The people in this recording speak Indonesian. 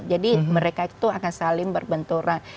jadi mereka itu akan saling berbenturan